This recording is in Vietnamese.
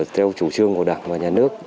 theo chủ trương của đảng và nhà nước